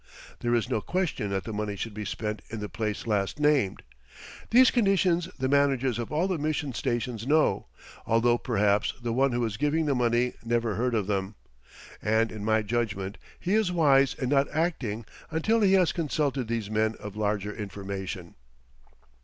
There is no question that the money should be spent in the place last named. These conditions the managers of all the mission stations know, although perhaps the one who is giving the money never heard of them, and in my judgment he is wise in not acting until he has consulted these men of larger information.